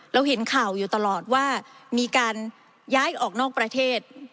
เราเห็นข่าวอยู่ตลอดว่ามีการย้ายออกนอกประเทศ